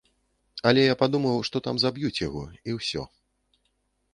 Але я падумаў, што там заб'юць яго, і ўсё.